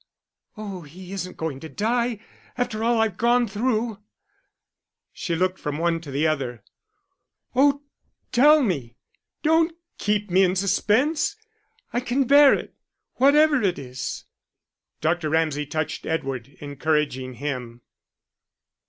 "Oh, he isn't going to die after all I've gone through." She looked from one to the other. "Oh, tell me; don't keep me in suspense. I can bear it, whatever it is." Dr. Ramsay touched Edward, encouraging him.